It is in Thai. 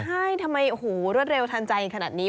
ใช่ทำไมโอ้โหรวดเร็วทันใจขนาดนี้